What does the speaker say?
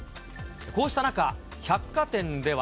こうした中、百貨店では。